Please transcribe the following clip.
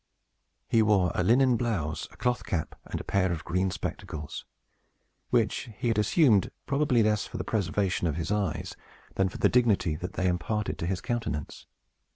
He wore a linen blouse, a cloth cap, and a pair of green spectacles, which he had assumed, probably, less for the preservation of his eyes than for the dignity that they imparted to his countenance.